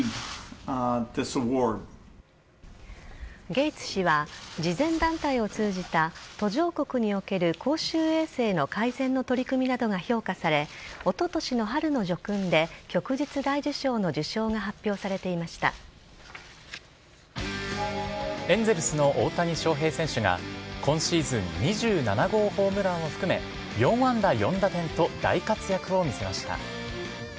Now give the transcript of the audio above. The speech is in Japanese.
ゲイツ氏は慈善団体を通じた途上国における公衆衛生の改善の取り組みなどが評価されおととしの春の叙勲で旭日大綬章の受章がエンゼルスの大谷翔平選手が今シーズン２７号ホームランを含め４安打４打点と大活躍を見せました。